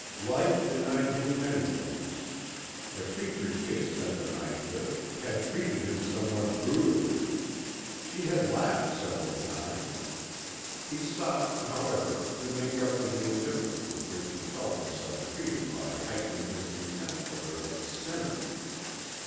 Life denied him many things. The creature he had spent the night with had treated him somewhat brutally. She had laughed several times. He sought, however, to make up for the indifference with which he felt himself treated by heightening his contempt for her as a sinner.